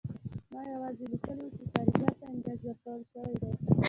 ما یوازې لیکلي وو چې کارګر ته امتیاز ورکړل شوی دی